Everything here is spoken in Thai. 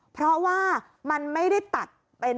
เพราะว่ามันไม่ได้ตัดเป็น